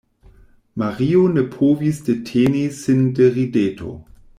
Mario ne povis deteni sin de rideto.